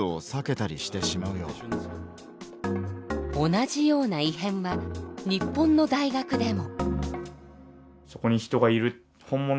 同じような異変は日本の大学でも。